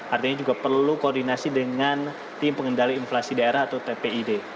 artinya juga perlu koordinasi dengan tim pengendali inflasi daerah atau tpid